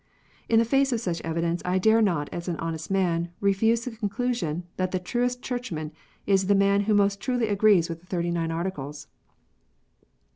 In the face of such evidence I dare not, as an honest man, refuse the conclusion, that the truest Churchman is the man who most truly agrees with the Thirty nine Articles.